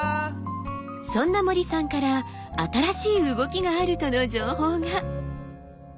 そんな森さんから新しい動きがあるとの情報が。